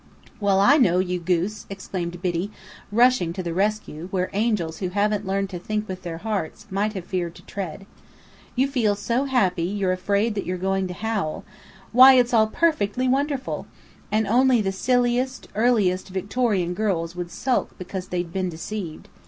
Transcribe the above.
"Well, I know, you goose!" exclaimed Biddy, rushing to the rescue, where angels who haven't learned to think with their hearts might have feared to tread. "You feel so happy you're afraid you're going to howl. Why, it's all perfectly wonderful! And only the silliest, earliest Victorian girls would sulk because they'd been 'deceived.'